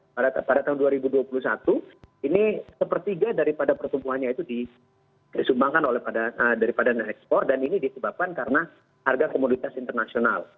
pada tahun dua ribu dua puluh satu ini sepertiga daripada pertumbuhannya itu disumbangkan daripada ekspor dan ini disebabkan karena harga komoditas internasional